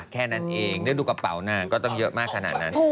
แค่นั้นเองนึกดูกระเป๋านางก็ต้องเยอะมากขนาดนั้น